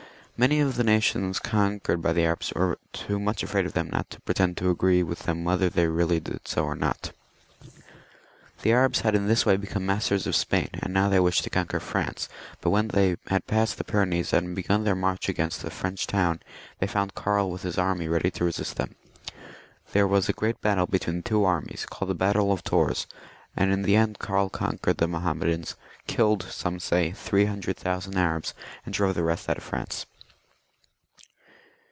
Many of the nations conquered by the Arabs were too much afraid of them not to pretend to agree with them whether they really did so or not The Arabs had in this way become masters of Spain, and now they wished to conquer Prance ; but when they had passed the Pyrenees and begun their m^rch against a French town, they found Karl with his army ready to resist them. There was a great battle between the two armies, called the battle of Tours, and in the end Karl conquered the Mahommedans, killed, some say, three hun* dred thousand Arabs, and drove the rest out of France.